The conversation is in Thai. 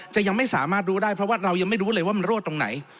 ยังไม่สามารถรู้ได้เพราะว่าเรายังไม่รู้เลยว่ามันรั่วตรงไหน